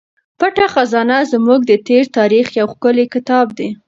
پټه خزانه زموږ د تېر تاریخ یو ښکلی کتاب دی.